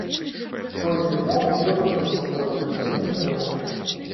Той, як мог, давёў яго да спакою, але ненадоўга.